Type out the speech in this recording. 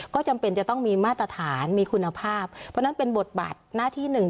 ก็จำเป็นจะต้องมีมาตรฐานมีคุณภาพเพราะฉะนั้นเป็นบทบาทหน้าที่หนึ่ง